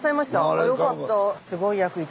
あよかった。